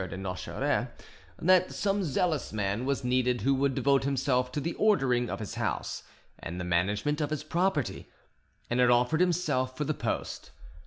de Nocheres, that some zealous man was needed who would devote himself to the ordering of his house and the management of his property; and had offered himself for the post.